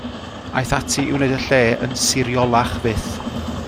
Aeth ati i wneud y lle yn siriolach fyth.